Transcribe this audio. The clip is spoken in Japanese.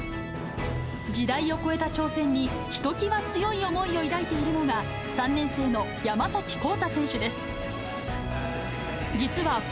時代を超えた挑戦にひときわ強い思いを抱いているのが３年生の山崎皓太選手です。